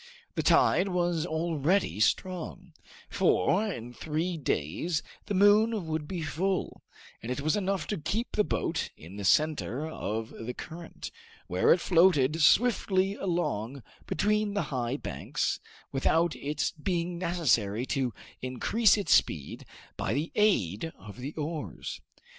The tide was already strong, for in three days the moon would be full, and it was enough to keep the boat in the center of the current, where it floated swiftly along between the high banks without its being necessary to increase its speed by the aid of the oars.